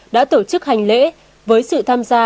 đã tổ chức hành lễ với sự tham gia